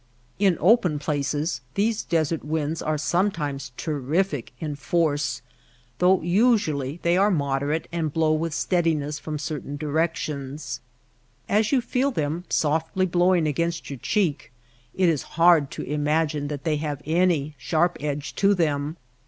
In open places these desert winds are some times terrific in force though usually they are moderate and blow with steadiness from certain directions. As you feel them softly blowing against your cheek it is hard to imagine that they have any sharp edge to them.